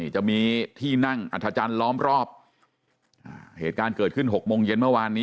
จะมีที่นั่งอัธจันทร์ล้อมรอบเหตุการณ์เกิดขึ้น๖โมงเย็นเมื่อวานนี้